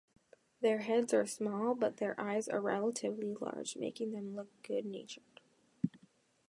Their heads are small, but their eyes are relatively large, making them look "good-natured".